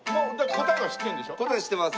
答え知ってます。